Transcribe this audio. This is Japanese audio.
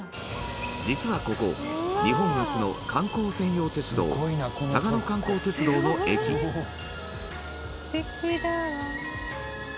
実は、ここ日本初の観光専用鉄道嵯峨野観光鉄道の駅羽田：素敵だわ。